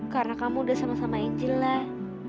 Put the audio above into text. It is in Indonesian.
karena kamu udah sama sama angel lah